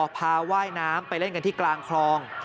ว่ายน้ำไปเล่นกันที่กลางคลอง